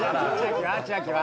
千秋は？